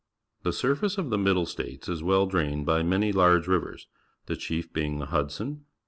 The surface of the Middle States is well drahied by many large ri\'ers, the chief being the Hudson.